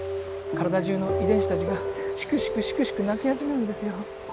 体じゅうの遺伝子たちがシクシクシクシク泣き始めるんですよ。